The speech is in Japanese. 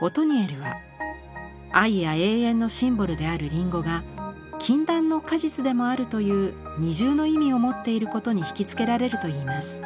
オトニエルは愛や永遠のシンボルであるりんごが禁断の果実でもあるという二重の意味を持っていることに引き付けられると言います。